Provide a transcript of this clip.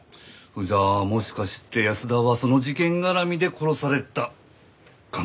じゃあもしかして安田はその事件絡みで殺されたかもって事ですか？